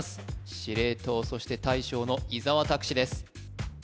司令塔そして大将の伊沢拓司です